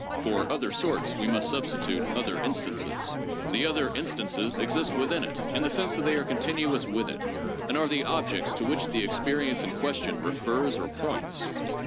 (For 'other sorts' we must substitute 'other in stances.') The other instances exist within it in the sense that they are continuous with it and are the objects to which the experi ence in question refers or 'points.'